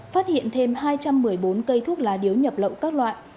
phát hiện thêm hai trăm một mươi bốn cây thuốc lá điếu nhập lậu các loại